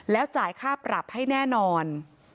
แล้วจ่ายค่าปรับให้แน่นอน